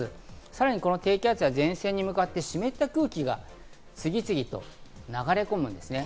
さらにこの低気圧や前線に向かって湿った空気が次々と流れ込むんですね。